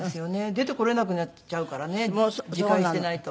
出てこれなくなっちゃうからね自戒してないと。